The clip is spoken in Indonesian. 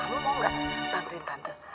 kamu mau gak tantriin tante